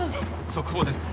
「速報です。